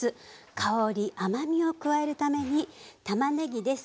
香り甘みを加えるためにたまねぎです。